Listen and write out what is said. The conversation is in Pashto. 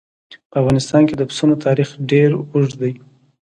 په افغانستان کې د پسونو تاریخ ډېر اوږد دی.